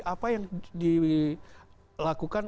apa yang dilakukan